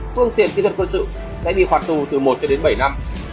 phương tiện kỹ thuật quân sự sẽ bị phạt tù từ một bảy năm